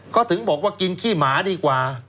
เขาถึงบอกว่ากินขี้หมาดีกว่า